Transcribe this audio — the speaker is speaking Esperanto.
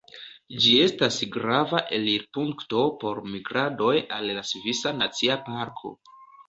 Ĝi estas grava elirpunkto por migradoj al la Svisa Nacia Parko.